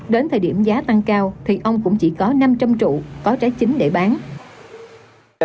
đến thời điểm giá tăng cao thì ông cũng chỉ có năm trăm linh trụ có trái chính để bán